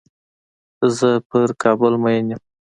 زۀ په کابل مين يم.